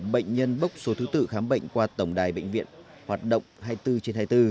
bệnh nhân bốc số thứ tự khám bệnh qua tổng đài bệnh viện hoạt động hai mươi bốn trên hai mươi bốn